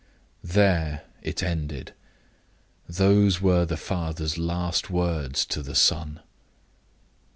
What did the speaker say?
There it ended. Those were the father's last words to the son.